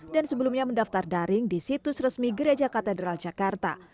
dan sebelumnya mendaftar daring di situs resmi gereja katedral jakarta